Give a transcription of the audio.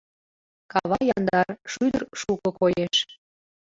Кава яндар, шӱдыр шуко коеш.